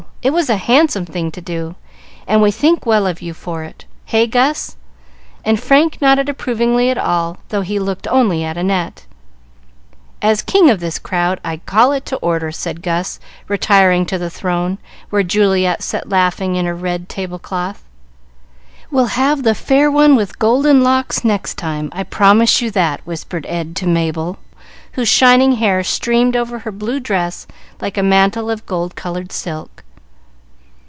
It was a handsome thing to do, and we think well of you for it. Hey, Gus?" and Frank nodded approvingly at all, though he looked only at Annette. "As king of this crowd, I call it to order," said Gus, retiring to the throne, where Juliet sat laughing in her red table cloth. "We'll have 'The Fair One with Golden Locks' next time; I promise you that," whispered Ed to Mabel, whose shining hair streamed over her blue dress like a mantle of gold colored silk.